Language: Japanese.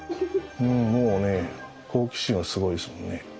もうね好奇心はすごいですもんね。